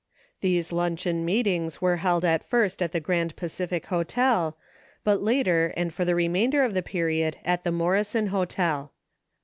These luncheon meetings were held at first at the Grand Pacific Hotel but later and for the remainder of the period at the Morrison Hotel.